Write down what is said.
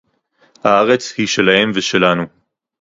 הָאָרֶץ הִיא שֶׁלָּהֶם וְשֶׁלָּנוּ